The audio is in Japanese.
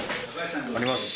あります！